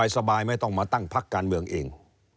ไม่ต้องมาตั้งพักการเมืองเอง